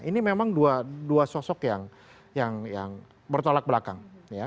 ini memang dua sosok yang bertolak belakang